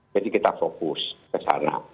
jadi kita fokus ke sana